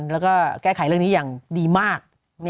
แล้วก็แก้ไขเรื่องนี้อย่างดีมาก